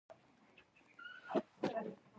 افغانستان په ټوله نړۍ کې د ځمکه لپاره مشهور دی.